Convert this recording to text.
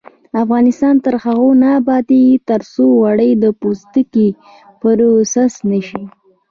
افغانستان تر هغو نه ابادیږي، ترڅو وړۍ او پوستکي پروسس نشي.